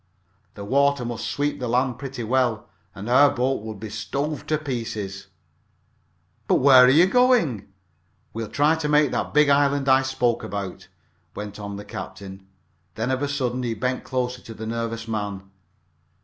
The water must sweep the land pretty well, and our boat would be stove to pieces." "But where are you going?" "We'll try to make that big island I spoke about," went on the captain. Then of a sudden, he bent closer to the nervous man.